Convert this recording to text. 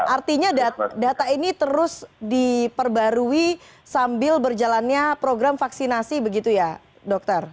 jadi saat data ini terus diperbarui sambil berjalannya program vaksinasi begitu ya dokter